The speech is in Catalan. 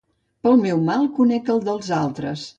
Pel meu mal conec el dels altres.